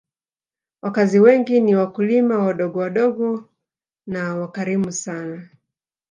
Wakazi wengi ni wakulima wadogowadogo na wakarimu sana